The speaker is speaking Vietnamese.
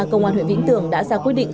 công an huyện vĩnh tưởng đã ra quyết định